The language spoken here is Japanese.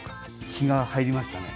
気が入りました。